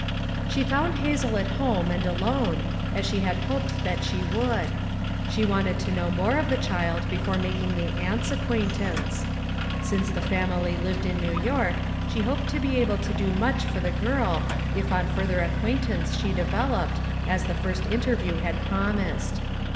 She found Hazel at home and alone, as she had hoped that she would ; she wanted to know FOUB MOTHEES AT CHAUTAUQUA 157 more of the child before making the aunt's acquaintance. Since the family lived in New York she hoped to be able to do much for the girl, if on further acquaintance she developed, as the first interview had promised.